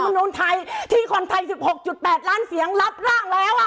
นุมไทยที่คนไทย๑๖๘ล้านเสียงรับร่างแล้ว